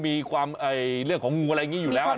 มีความเรื่องของงูอะไรอย่างนี้อยู่แล้ว